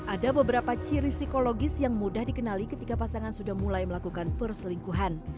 ada beberapa ciri psikologis yang mudah dikenali ketika pasangan sudah mulai melakukan perselingkuhan